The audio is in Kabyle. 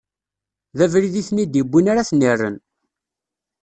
D abrid i ten-id-iwwin ara ten-irren.